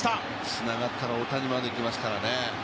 つながったら大谷まで行きますからね。